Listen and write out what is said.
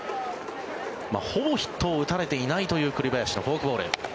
ほぼヒットを打たれていないという栗林のフォークボール。